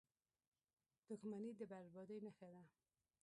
• دښمني د بربادۍ نښه ده.